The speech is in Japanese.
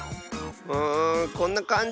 うんこんなかんじ。